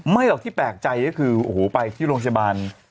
หรอกที่แปลกใจก็คือโอ้โหไปที่โรงพยาบาล